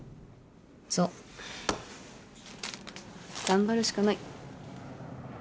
頑張るしかない。